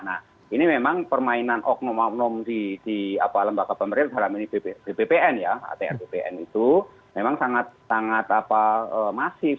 nah ini memang permainan oknum oknum di lembaga pemerintah di bpn ya atr bpn itu memang sangat masif